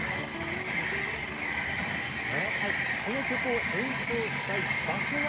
この曲を演奏したい場所は？